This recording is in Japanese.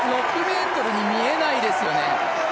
６ｍに見えないですよね。